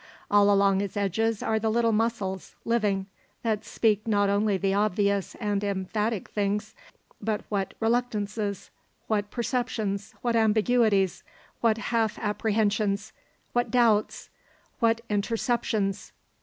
All along its edges are the little muscles, living, that speak not only the obvious and emphatic things, but what reluctances, what perceptions, what ambiguities, what half apprehensions, what doubts, what interceptions!